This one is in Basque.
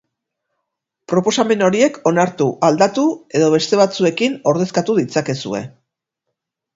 Proposamen horiek onartu, aldatu edo beste batzuekin ordezkatu ditzakezue.